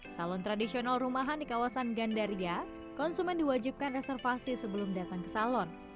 salon tradisional rumahan di kawasan gandaria konsumen diwajibkan reservasi sebelum datang ke salon